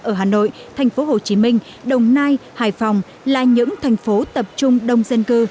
ở hà nội thành phố hồ chí minh đồng nai hải phòng là những thành phố tập trung đông dân cư